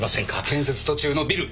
建設途中のビル！